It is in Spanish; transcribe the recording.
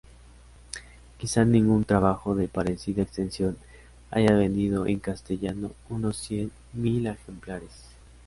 Quizá ningún trabajo de parecida extensión haya vendido en castellano unos cien mil ejemplares.